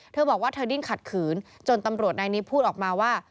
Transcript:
เธอบอกว่าเธอดิ้นขัดขืนจนตำรวจนายนี้พูดออกมาว่า